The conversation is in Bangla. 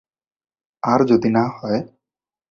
আর, যদি না হয়?